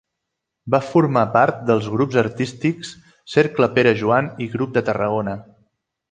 Va formar part dels grups artístics Cercle Pere Joan i Grup de Tarragona.